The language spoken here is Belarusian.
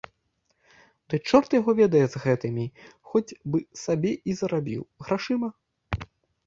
Ды чорт яго ведае з гэтымі, хоць бы сабе і зарабіў, грашыма?